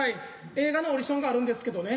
映画のオーディションがあるんですけどね